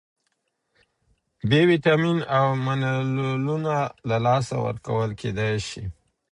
بی ویټامین او منرالونه له لاسه ورکول کېدای شي.